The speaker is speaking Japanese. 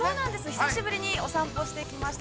久しぶりにおさんぽしてきました。